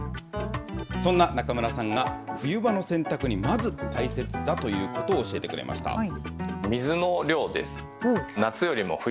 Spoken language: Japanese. そんな中村さんが冬場の洗濯にまず大切だということを教えてくれました。